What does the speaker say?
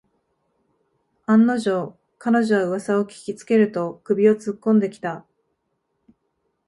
案の定、彼女はうわさを聞きつけると首をつっこんできた